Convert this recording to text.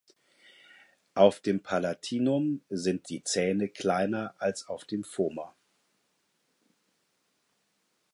Auf dem Palatinum sind die Zähne kleiner als auf dem Vomer.